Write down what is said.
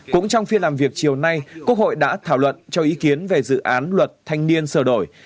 cũng trong phiên làm việc chiều nay quốc hội đã thảo luận cho ý kiến về dự án luật thanh niên sửa đổi